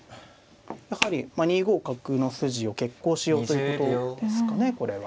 やはり２五角の筋を決行しようということですかねこれは。